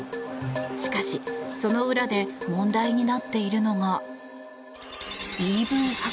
しかし、その裏で問題になっているのが。